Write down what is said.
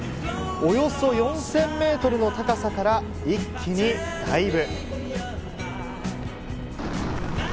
およそ４０００ｍの高さから一気にダイブ！